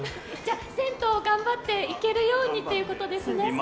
銭湯を頑張って行けるようにということですね。